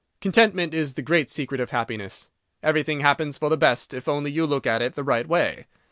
Contentment is the great secret of happiness. Everything happens for the best, if only you look at it the right way.